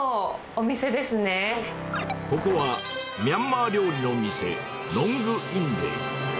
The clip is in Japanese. ここは、ミャンマー料理の店、ノング・インレイ。